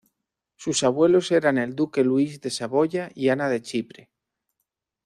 Sus abuelos eran el Duque Luis de Saboya y Ana de Chipre.